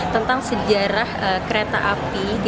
tentang sejarah kereta api